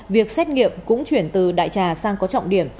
việc xét nghiệm cũng chuyển từ đại trà sang có trọng điểm